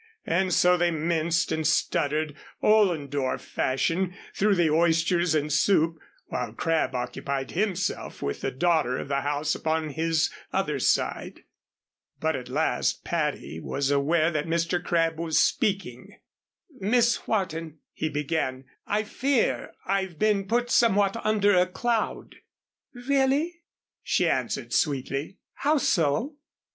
And so they minced and stuttered, Ollendorf fashion, through the oysters and soup, while Crabb occupied himself with the daughter of the house upon his other side. But at last Patty was aware that Mr. Crabb was speaking. "Miss Wharton," he began, "I fear I've been put somewhat under a cloud." "Really," she answered sweetly, "how so?"